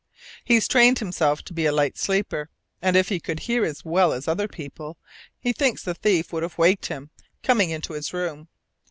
He's trained himself to be a light sleeper, and if he could hear as well as other people, he thinks the thief would have waked him coming into his room.